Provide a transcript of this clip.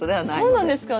そうなんですか。